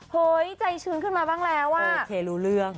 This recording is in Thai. เฮ้ยใจชื้นขึ้นมาบ้างแล้วอ่ะโอเครู้เรื่อง